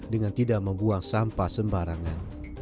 dengan tidak membuang sampah sembarangan